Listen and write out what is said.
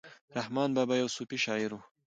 رحمان بابا يو صوفي شاعر وو.